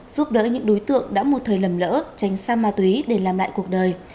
giúp đỡ những đối tượng đã một thời lầm lỡ tránh xa ma túy để làm lại cuộc đời